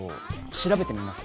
しらべてみます。